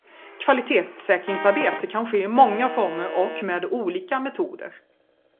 Kvalitetssäkringsarbete kan ske i många former och med olika metoder.